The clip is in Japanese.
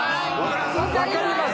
分かります。